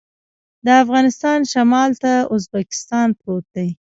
د افغانستان شمال ته ازبکستان پروت دی